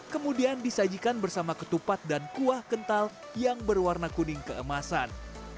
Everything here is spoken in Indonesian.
kemudian disajikan bersama ketupat dan kuah kental yang berwarna kuning keemasan